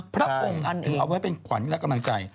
พระองค์ถึงเอาไว้เป็นขวัญและกำลังใจ